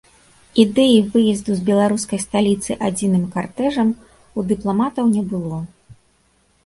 Ідэі выезду з беларускай сталіцы адзіным картэжам у дыпламатаў не было.